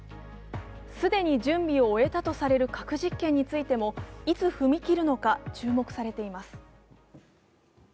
既に準備を終えたとされる核実験についてもいつ踏み切るのか、注目されています。